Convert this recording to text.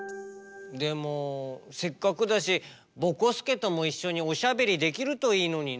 でもせっかくだしぼこすけともいっしょにおしゃべりできるといいのにな。